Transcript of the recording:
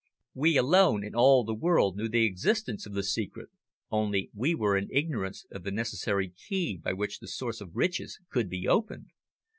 We alone in all the world knew the existence of the secret, only we were in ignorance of the necessary key by which the source of riches could be opened.